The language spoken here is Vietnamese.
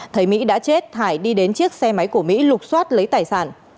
thấy mỹ đã chết thải đi đến chiếc xe máy của mỹ lục xoát lấy tài sản